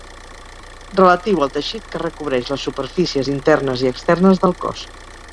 Relatiu al teixit que recobreix les superfícies internes i externes del cos.